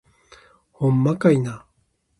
ほんまかいな